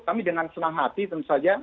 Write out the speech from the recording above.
kami dengan senang hati tentu saja